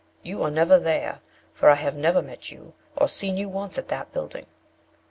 You are never there, for I have never met you, or seen you once at the building.